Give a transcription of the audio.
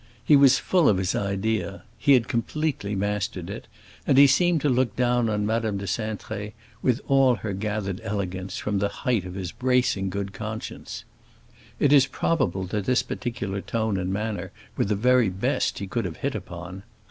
He was full of his idea, he had completely mastered it, and he seemed to look down on Madame de Cintré, with all her gathered elegance, from the height of his bracing good conscience. It is probable that this particular tone and manner were the very best he could have hit upon.